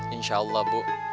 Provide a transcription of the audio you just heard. insya allah buk